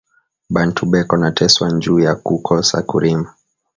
Bantu beko na teswa nju ya ku kosa ku rima